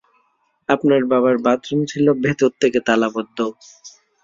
আপনার বাবার বাথরুম ছিল ভেতর থেকে তালাবন্ধ।